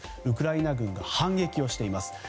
ウクライナ軍が反撃をしています。